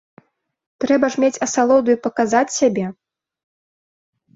Трэба ж мець асалоду і паказаць сябе.